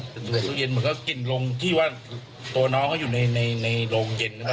เปิดตู้เย็นเหมือนกับกลิ่นโรงที่ว่าตัวน้องเขาอยู่ในโรงเย็นหรือเปล่า